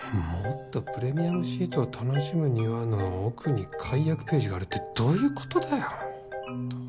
『もっとプレミアムシートを楽しむには』の奥に解約ページがあるってどういうことだよ。